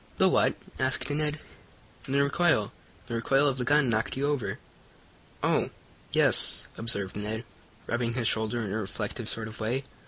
"The what?" asked Ned. "The recoil. The recoil of the gun knocked you over." "Oh, yes," observed Ned, rubbing his shoulder in a reflective sort of way.